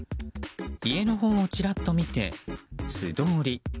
家のほうをちらっと見て素通り。